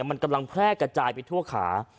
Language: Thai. มันกำลังแพร่กระจายไปทั่วขา